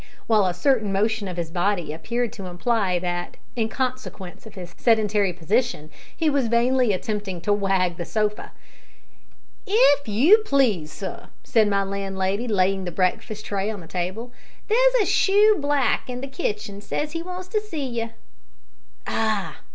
while a certain motion of his body appeared to imply that, in consequence of his sedentary position, he was vainly attempting to wag the sofa. "If you please, sir," said my landlady, laying the breakfast tray on the table, "there's a shoe black in the kitchen says he wants to see you." "Ah!